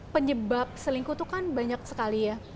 penyebab selingkuh itu kan banyak sekali ya